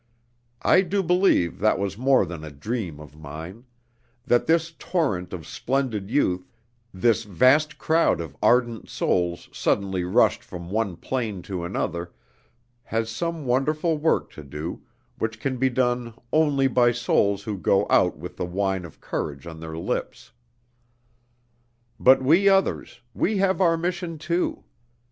I do believe that was more than a dream of mine; that this torrent of splendid youth, this vast crowd of ardent souls suddenly rushed from one plane to another, has some wonderful work to do, which can be done only by souls who go out with the wine of courage on their lips. But we others, we have our mission too.